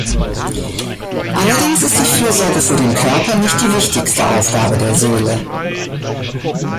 Allerdings ist die Fürsorge für den Körper nicht die wichtigste Aufgabe der Seele.